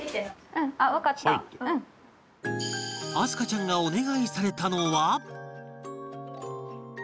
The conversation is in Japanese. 明日香ちゃんがお願いされたのは